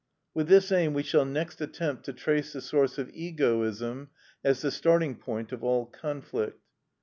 With this aim we shall next attempt to trace the source of egoism as the starting point of all conflict.